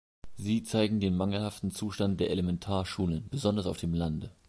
Sie zeigen den mangelhaften Zustand der Elementarschulen, besonders auf dem Lande.